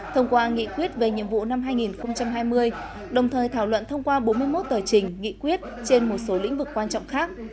thông qua nghị quyết về nhiệm vụ năm hai nghìn hai mươi đồng thời thảo luận thông qua bốn mươi một tờ trình nghị quyết trên một số lĩnh vực quan trọng khác